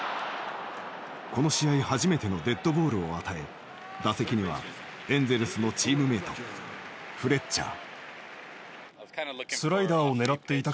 この試合初めてのデッドボールを与え打席にはエンゼルスのチームメートフレッチャー。